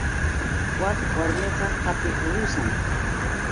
Wak warmiqa apikurusam.